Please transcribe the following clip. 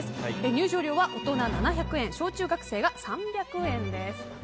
入場料は大人７００円小中学生が３００円です。